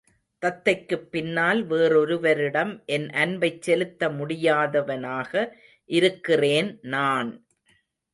தத்தைக்குப் பின்னால் வேறொருவரிடம் என் அன்பைச் செலுத்த முடியாதவனாக இருக்கிறேன் நான்!